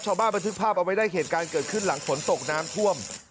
บันทึกภาพเอาไว้ได้เหตุการณ์เกิดขึ้นหลังฝนตกน้ำท่วม